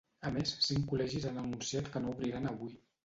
A més, cinc col·legis han anunciat que no obriran avui.